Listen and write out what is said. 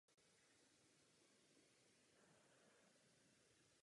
Vývoj Karpatské soustavy byl až do karbonu podobný vývoji Českého masivu.